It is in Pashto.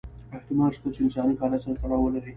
احتمال شته چې له انساني فعالیت سره تړاو ولري.